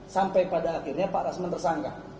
sampai pada akhirnya pak rasman tersangka